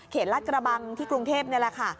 รัฐกระบังที่กรุงเทพนี่แหละค่ะ